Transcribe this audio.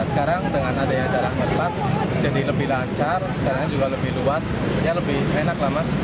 sekarang dengan adanya jarak mertas jadi lebih lancar jalannya juga lebih luas sebenarnya lebih enak lah mas